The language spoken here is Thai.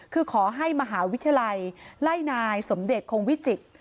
คือขอให้มหาวิทยาลัยไล่นายสมเด็จคงวิจิตร